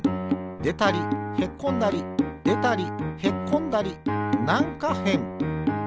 でたりへっこんだりでたりへっこんだりなんかへん。